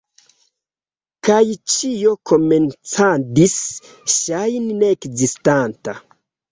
Kaj ĉio komencadis ŝajni neekzistanta.